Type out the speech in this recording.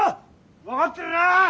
分かってるなあ！？